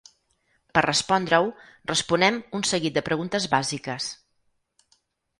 Per respondre-ho, responem un seguit de preguntes bàsiques.